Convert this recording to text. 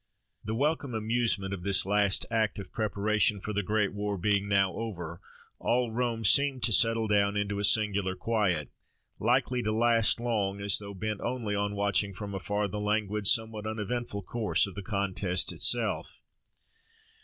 The welcome amusement of this last act of preparation for the great war being now over, all Rome seemed to settle down into a singular quiet, likely to last long, as though bent only on watching from afar the languid, somewhat uneventful course of the contest itself.